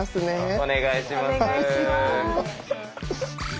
お願いします。